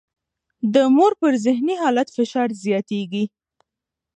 د مور پر ذهني حالت فشار زیاتېږي.